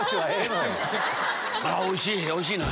おいしい。